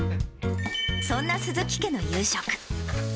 そんな鈴木家の夕食。